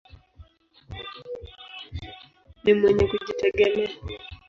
Ni mwenye kujitegemea.